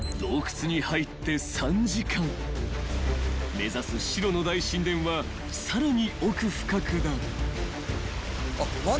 ［目指す白の大神殿はさらに奥深くだ］